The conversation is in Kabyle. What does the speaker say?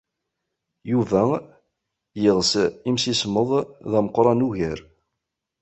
Yuba yeɣs imsismeḍ d ameqran ugar.